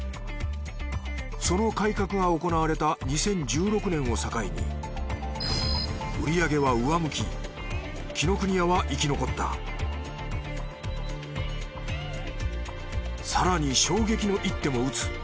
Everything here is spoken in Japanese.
その改革が行われた２０１６年を境に売り上げは上向き紀ノ国屋は生き残った更に衝撃の一手も打つ。